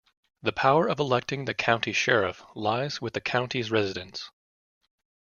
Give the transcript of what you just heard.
The power of electing the county's sheriff lies with the county's residents.